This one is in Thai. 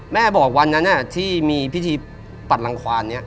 แม่บอกวันนั้นที่มีพิธีปัดรังควานนี้